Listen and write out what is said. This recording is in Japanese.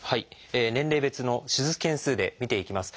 年齢別の手術件数で見ていきます。